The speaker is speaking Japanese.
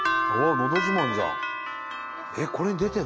「のど自慢」じゃん。